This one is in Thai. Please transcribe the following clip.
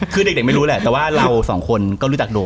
คือเด็กไม่รู้แหละแต่ว่าเราสองคนก็รู้จักหนู